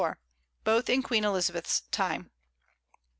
both in Queen Elizabeth's Time.